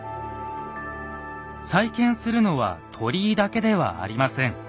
再建するのは鳥居だけではありません。